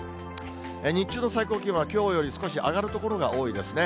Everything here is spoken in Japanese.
日中の最高気温はきょうより少し上がる所が多いですね。